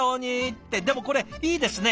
ってでもこれいいですね。